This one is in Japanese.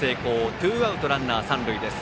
ツーアウト、ランナー、三塁です。